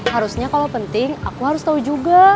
harusnya kalau penting aku harus tahu juga